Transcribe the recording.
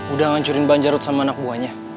udah ngancurin banjarut sama anak buahnya